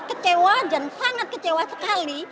kecewa dan sangat kecewa sekali